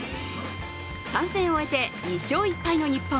３戦終えて、２勝１敗の日本。